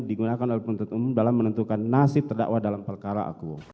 digunakan oleh penuntut umum dalam menentukan nasib terdakwa dalam perkara akuo